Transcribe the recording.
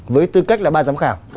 với tư cách là ba giám khảo